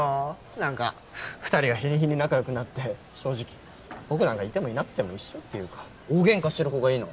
何か２人が日に日に仲よくなって正直僕なんかいてもいなくても一緒っていうか大ゲンカしてる方がいいの？